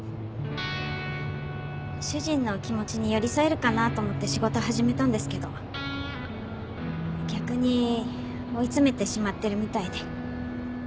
主人の気持ちに寄り添えるかなと思って仕事始めたんですけど逆に追い詰めてしまってるみたいで。